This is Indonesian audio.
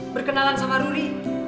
berkenalan sama ruri